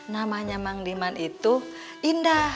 namanya mang diman itu indah